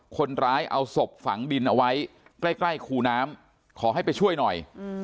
คนร้ายเอาศพฝังดินเอาไว้ใกล้ใกล้คูน้ำขอให้ไปช่วยหน่อย